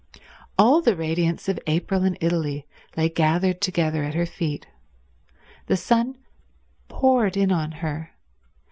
All the radiance of April in Italy lay gathered together at her feet. The sun poured in on her.